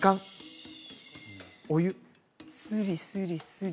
スリスリスリ。